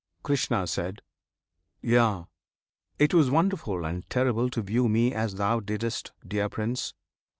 Krishna. Yea! it was wonderful and terrible To view me as thou didst, dear Prince!